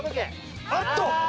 あっと